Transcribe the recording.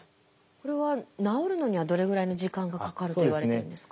これは治るのにはどれぐらいの時間がかかるといわれてるんですか？